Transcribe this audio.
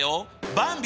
ばんび